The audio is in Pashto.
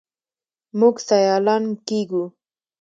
موږ سیالان کیږو.